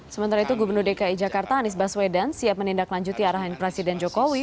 sementara itu gubernur dki jakarta anies baswedan siap menindaklanjuti arahan presiden jokowi